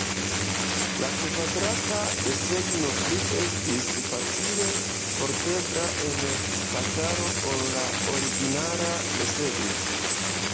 La kvadrata desegno pli estis facile portebla en batalo ol la originala desegno.